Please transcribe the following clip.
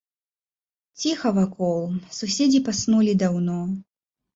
Ціха вакол, суседзі паснулі даўно.